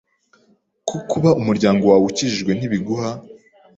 ko kuba umuryango wawe ukijijwe ntibiguha